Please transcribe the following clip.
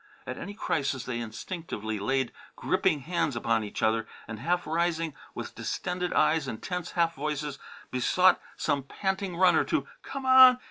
At any crisis they instinctively laid gripping hands upon each other and, half rising, with distended eyes and tense half voices, besought some panting runner to "Come on!